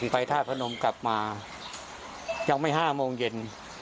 ธาตุพนมกลับมายังไม่๕โมงเย็น